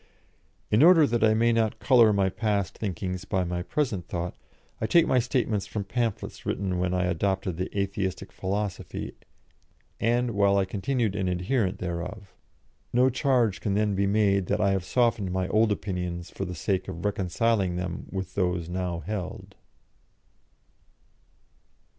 In order that I may not colour my past thinkings by my present thought, I take my statements from pamphlets written when I adopted the Atheistic philosophy and while I continued an adherent thereof. No charge can then be made that I have softened my old opinions for the sake of reconciling them with those now held.